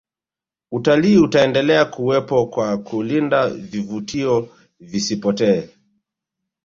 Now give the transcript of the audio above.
utalii utaendelea kuwepo kwa kulinda vivutio visipotee